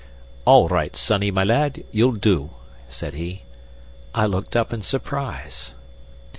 "All right, sonny my lad you'll do," said he. I looked up in surprise.